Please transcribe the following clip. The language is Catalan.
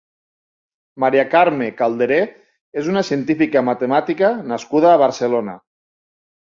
Maria-Carme Calderer és una científica matemàtica nascuda a Barcelona.